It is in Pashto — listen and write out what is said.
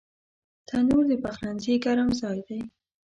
تنور د پخلنځي ګرم ځای دی